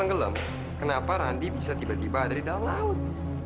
belum terlambat dong kak